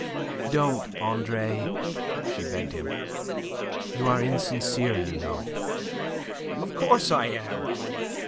"Don't, Andre!" she begged him. "You are insincere, you know." "Of course I am.